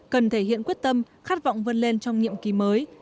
cần thể hiện quyết tâm khát vọng vươn lên trong nhiệm kỳ mới